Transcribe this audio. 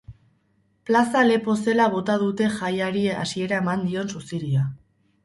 Plaza lepo zela bota dute jaiari hasiera ematen dion suziria.